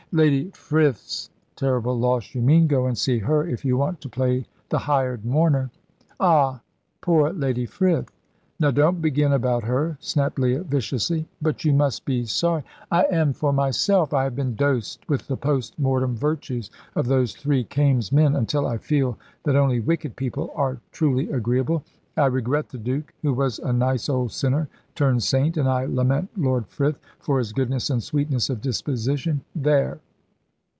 "Lady Frith's terrible loss, you mean. Go and see her, if you want to play the hired mourner." "Ah, poor Lady Frith " "Now don't begin about her," snapped Leah, viciously. "But you must be sorry " "I am for myself. I have been dosed with the post mortem virtues of those three Kaimes men until I feel that only wicked people are truly agreeable. I regret the Duke, who was a nice old sinner turned saint, and I lament Lord Frith for his goodness and sweetness of disposition there."